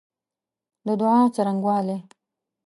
د دعا څرنګوالی